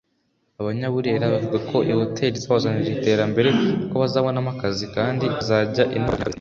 Abanyaburera bavuga ko iyi Hotel izabazanira iterambere kuko bazabonamo akazi kandi ikazajya inabagurira imyaka beza irimo